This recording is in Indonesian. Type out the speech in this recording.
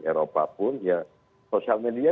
eropa pun ya sosial media